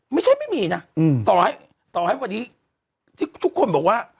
ไม่ใช่ไม่มีนะต่อให้วันนี้ทุกคนบอกว่า